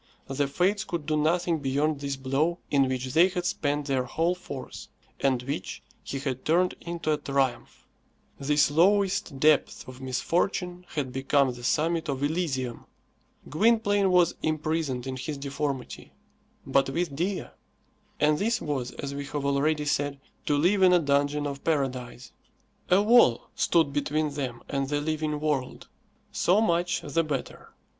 The Fates could do nothing beyond this blow in which they had spent their whole force, and which he had turned into a triumph. This lowest depth of misfortune had become the summit of Elysium. Gwynplaine was imprisoned in his deformity, but with Dea. And this was, as we have already said, to live in a dungeon of paradise. A wall stood between them and the living world. So much the better.